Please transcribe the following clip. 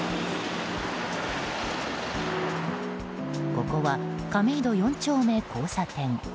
ここは亀戸四丁目交差点。